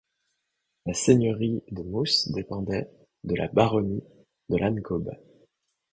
La seigneurie de Mouhous dépendait de la baronnie de Lannecaube.